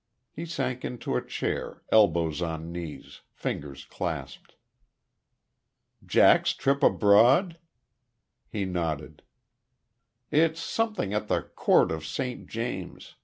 He sank into a chair, elbows on knees, fingers clasped. "Jack's trip abroad?" He nodded. "It's something at the Court of St. James.